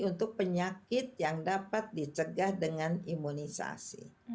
untuk penyakit yang dapat dicegah dengan imunisasi